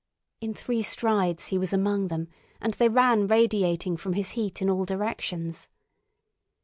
In three strides he was among them, and they ran radiating from his feet in all directions.